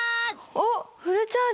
おっフルチャージ！